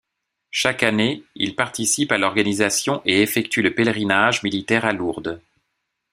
Chaque année, il participe à l'organisation et effectue le pèlerinage militaire à Lourdes.